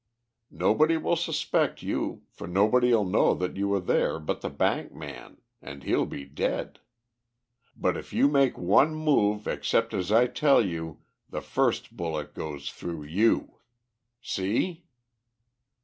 Nobody will suspect you, for nobody'll know you were there but the bank man, and he'll be dead. But if you make one move except as I tell you the first bullet goes through you. See?"